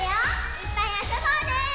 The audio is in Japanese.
いっぱいあそぼうね！